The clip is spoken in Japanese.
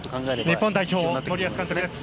日本代表、森保監督です。